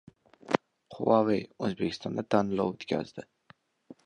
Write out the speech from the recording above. Huawei O‘zbekistonda tanlov o‘tkazdi